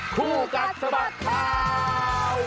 คู่กับสบัตรข่าว